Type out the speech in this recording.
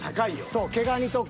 そう毛ガニとか。